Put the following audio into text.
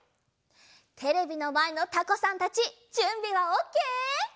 テレビのまえのタコさんたちじゅんびはオッケー？